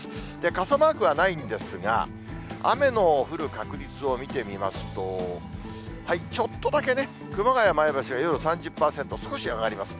傘マークはないんですが、雨の降る確率を見てみますと、ちょっとだけね、熊谷、前橋が夜３０％、少し上がります。